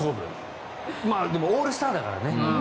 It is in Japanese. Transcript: でも、オールスターだからね。